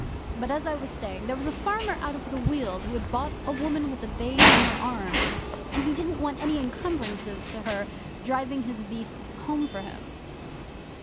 But, as I was saying, there was a farmer out of the Weald who had bought a woman with a babe in her arms, and he didn't want any encumbrances to her driving his beasts home for him.